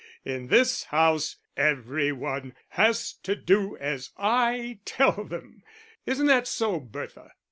In this house every one has to do as I tell them; isn't that so, Bertha?"